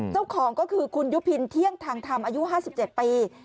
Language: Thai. เจ้าของก็คือคุณยุพินเที่ยงทางธรรมอายุ๕๗ปี